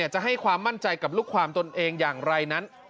จะให้ความมั่นใจกับลูกความตนเองอย่างไรนั้น